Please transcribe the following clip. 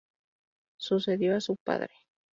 Sucedió a su padre.